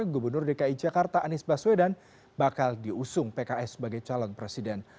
gubernur dki jakarta anies baswedan bakal diusung pks sebagai calon presiden